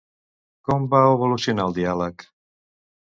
Com va evolucionar el diàleg?